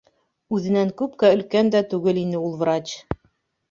- Үҙенән күпкә өлкән дә түгел ине ул врач.